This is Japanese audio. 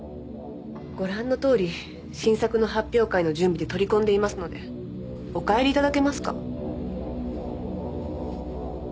ご覧のとおり新作の発表会の準備で取り込んでいますのでお帰り頂けますか？